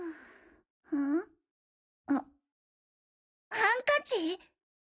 ハンカチ？